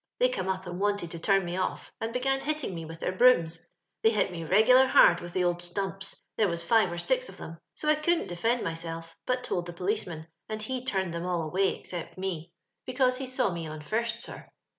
They eome up and wanted to turn me ofl^ and began hitting me with their faroom% — they hit me regular hard with the old etompa; there waa five or dz of thai; m I oouldn't defend niTadi; hut told the poBee. man, and he tuned them all away exoept wfi, beeante he aaw me on flratk air.